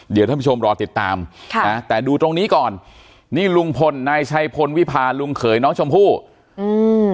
เดี๋ยวท่านผู้ชมรอติดตามค่ะนะแต่ดูตรงนี้ก่อนนี่ลุงพลนายชัยพลวิพาลุงเขยน้องชมพู่อืม